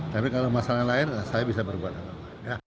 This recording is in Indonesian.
tapi kalau masalah lain saya bisa berbuat apa